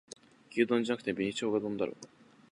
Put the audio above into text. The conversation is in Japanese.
牛丼じゃなくて紅しょうが丼だろ